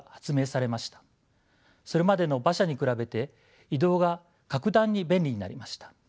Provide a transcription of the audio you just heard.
それまでの馬車に比べて移動が格段に便利になりました。